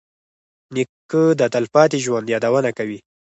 نیکه د تلپاتې ژوند یادونه کوي.